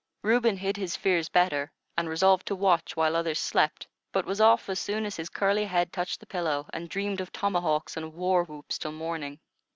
Reuben hid his fears better, and resolved to watch while others slept; but was off as soon as his curly head touched the pillow, and dreamed of tomahawks and war whoops till morning.